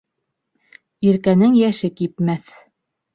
Иркәнең йәше кипмәҫ.